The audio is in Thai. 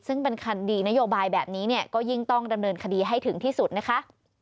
ซึ่งเป็นคันดีนโยบายแบบนี้เนี่ยก็ยิ่งต้องดำเนินคดีให้ถึงที่สุดนะคะ